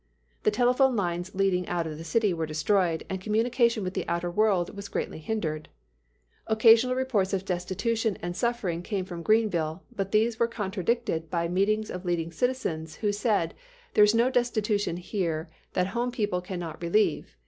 The telephone lines leading out of the city were destroyed, and communication with the outer world was greatly hindered. Occasional reports of destitution and suffering came from Greenville, but these were contradicted by meetings of leading citizens, who said, "there is no destitution here that home people can not relieve.